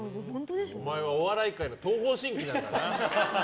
お前はお笑い界の東方神起なんだな。